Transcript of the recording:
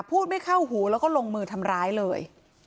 พูดไม่เข้าหูแล้วก็ลงมือทำร้ายเลย